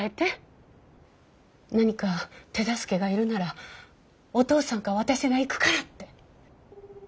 何か手助けがいるならおとうさんか私が行くからって。